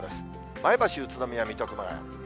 前橋、宇都宮、水戸、熊谷。